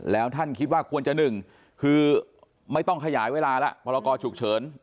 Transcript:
แล้วท่านคิดว่าควรจะหนึ่งคือไม่ต้องขยายเวลาแล้วพรกรฉุกเฉิน